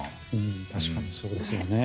確かにそうですよね。